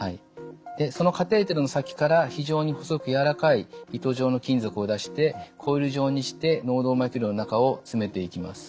そのカテーテルの先から非常に細く柔らかい糸状の金属を出してコイル状にして脳動脈瘤の中を詰めていきます。